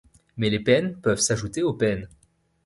Mais les peines peuvent s'ajouter aux peines.